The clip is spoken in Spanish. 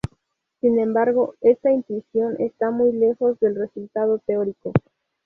Sin embargo, esta intuición está muy lejos del resultado teórico.